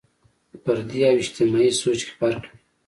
فردي او اجتماعي سوچ کې فرق وي.